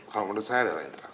kalau menurut saya adalah internal